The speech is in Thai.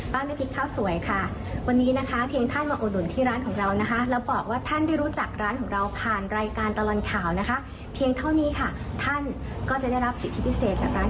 มีเพียงแค่วันนี้ถึงวันที่๓กรกฎาคมพฤษกราช๒๕๖๕เท่านั้นนะคะ